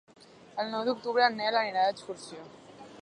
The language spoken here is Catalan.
El nou d'octubre en Nel anirà d'excursió.